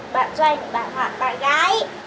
bạn doanh bạn hoàng bạn gái